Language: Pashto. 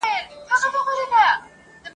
چي جومات یې په خپل ژوند نه وو لیدلی `